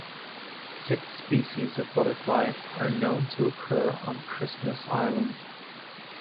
Six species of butterfly are known to occur on Christmas Island.